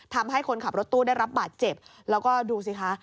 ทำให้คนขับรถตู้ได้รับบาดเจ็บแล้วก็ดูสิคะ